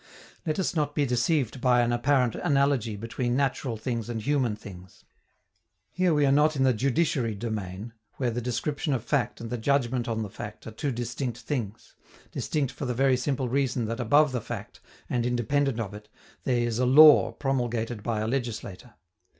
Let us not be deceived by an apparent analogy between natural things and human things. Here we are not in the judiciary domain, where the description of fact and the judgment on the fact are two distinct things, distinct for the very simple reason that above the fact, and independent of it, there is a law promulgated by a legislator.